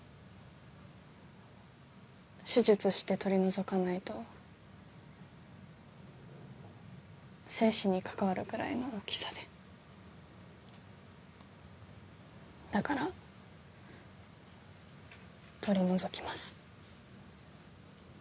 手術して取り除かないと生死に関わるくらいの大きさでだから取り除きます